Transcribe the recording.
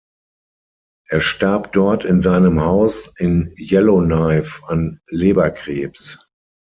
Er starb dort in seinem Haus in Yellowknife an Leberkrebs.